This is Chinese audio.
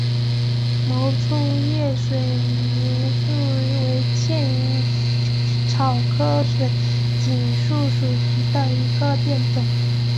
毛粗叶水锦树为茜草科水锦树属下的一个变种。